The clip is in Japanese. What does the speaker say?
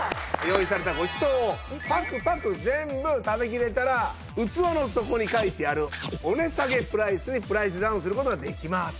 用意されたごちそうをパクパク全部食べ切れたら器の底に書いてあるお値下げプライスにプライスダウンする事ができます。